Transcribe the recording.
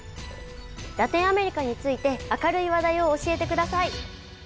ラテンアメリカについて明るい話題を教えてください。